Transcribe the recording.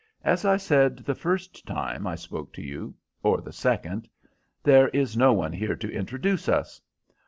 As I said, the first time I spoke to you—or the second—there is no one here to introduce us.